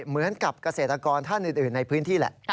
เหมือนกับเกษตรกรท่านอื่นในพื้นที่แหละ